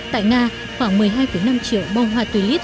tại nga khoảng một mươi hai năm triệu bông hoa tulip